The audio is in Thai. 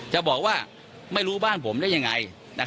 จะบอกว่าไม่รู้บ้านผมได้ยังไง